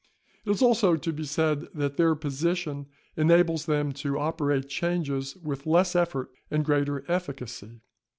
It is also to be said that their position enables them to operate changes with less effort and greater efficacy.